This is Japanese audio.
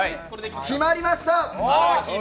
決まりました！